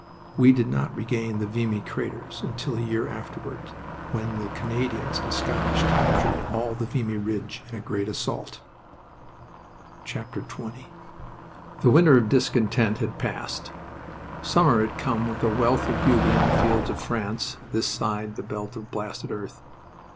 We did not regain the Vimy craters until a year afterward, when the Canadians and Scottish captured all the Vimy Ridge in a great assault. XX The winter of discontent had passed. Summer had come with a wealth of beauty in the fields of France this side the belt of blasted earth.